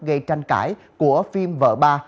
gây tranh cãi của phim vợ ba